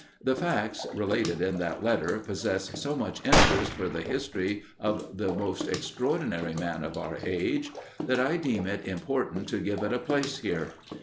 The facts, related in that letter, possess so much interest for the history of the most extraordinary man of our age, that I deem it important to give it a place here.